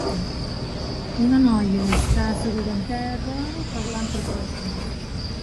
Una noia està asseguda a terra parlant per telèfon.